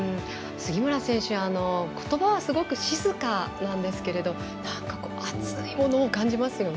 杉村選手、ことばはすごく静かなんですけどなんか、熱いものを感じますよね。